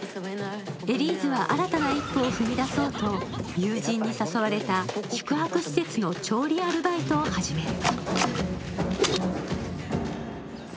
エリーズは新たな一歩を踏み出そうと、友人に誘われた宿泊施設の調理アルバイトを始める。